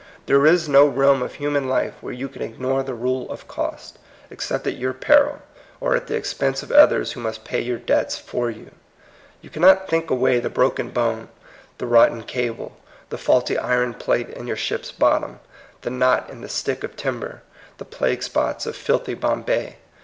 There is no realm of human life where you ignore the rule of cost, ex cept at your peril, or at the expense of others who must pay your debts for you. You cannot think away the broken bone, the rotten cable, the faulty iron plate in your ship's bottom, the knot in the stick of timber, the plague spots of filthy Bom bay.